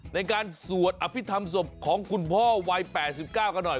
ในการสวดอภิษฐรรมศพของคุณพ่อวัย๘๙กันหน่อย